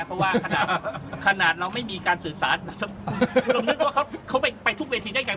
เพราะว่าขนาดเราไม่มีการสื่อสารเรานึกว่าเขาไปทุกเวทีด้วยกัน